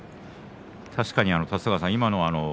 確かに立田川さん